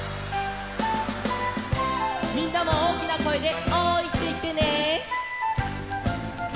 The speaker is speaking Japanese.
みんなもおおきなこえで「おい！」っていってね。